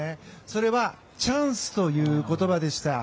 それはチャンスという言葉でした。